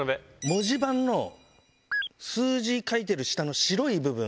文字盤の数字書いてる下の白い部分。